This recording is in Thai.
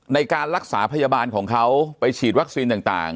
ในการรักษาพยาบาลของเขาไปฉีดวัคซีนต่าง